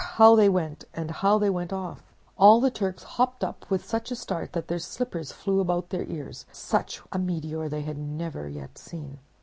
how they went, and how they went off! All the Turks hopped up with such a start that their slippers flew about their ears; such a meteor they had never yet seen.